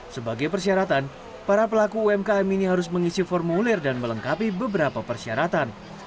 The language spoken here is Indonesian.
sebagai persyaratan para pelaku umkm ini harus mengisi formulir dan melengkapi beberapa persyaratan